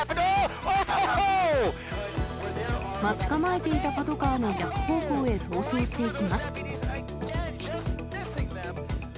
待ち構えていたパトカーの逆方向へ逃走していきます。